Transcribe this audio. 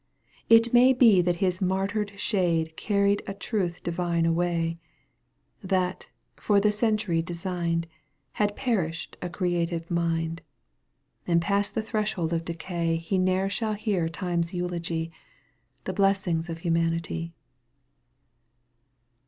It may be that his martyred shade Carried a truth dmae away ; That, for the century designed, Had perished a creative mind. And past the threshold of decay, He ne'er shall hear Time's eulogy. The blessings of humanity.